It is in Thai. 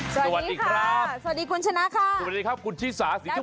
สวัสดีครับสวัสดีคุณชนะค่ะสวัสดีครับคุณชิสาศรีครับ